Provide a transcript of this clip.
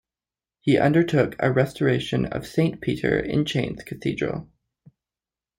He undertook a restoration of Saint Peter in Chains Cathedral.